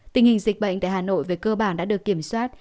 tình hình dịch bệnh tại hà nội về cơ bản đã được kiểm soát